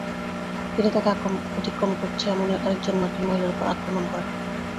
তিনি তাকে অতিক্রম করছে এমন আরেকজন মার্কিন মহিলার উপর আক্রমণ করেন।